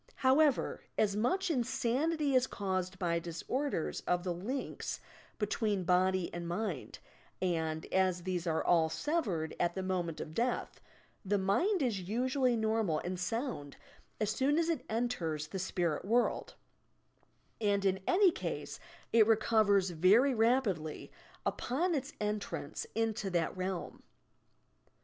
However, as much insanity is caused by disorders of the links between body and mind, and, as these are all severed at the moment of death, the mind is usually normal and sound as soon as it enters the spirit world, and in any ease it recovers very rapidly upon its en trance into that realm.